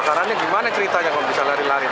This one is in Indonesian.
caranya gimana ceritanya kalau bisa lari lari